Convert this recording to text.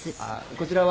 こちらは。